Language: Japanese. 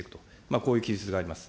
こういう規律があります。